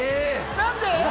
何で？